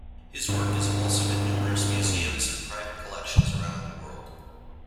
His work is also in numerous museums and private collections around the world.